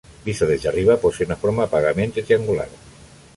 Visto desde arriba, posee una forma vagamente triangular.